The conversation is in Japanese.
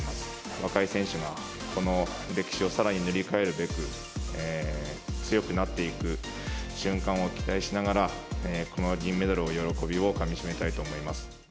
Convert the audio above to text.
若い選手がこの歴史をさらに塗り替えるべく、強くなっていく瞬間を期待しながら、この銀メダルの喜びをかみしめたいと思います。